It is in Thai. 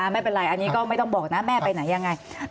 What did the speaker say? ไม่เป็นไรอันนี้ก็ไม่ต้องบอกนะแม่ไปไหนยังไง